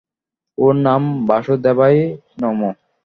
ওম নমো বাসুদেবায় নমো!